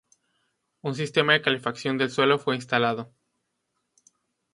Un sistema de calefacción del suelo fue instalado.